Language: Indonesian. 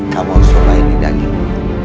kamu mau cobain nih dagingmu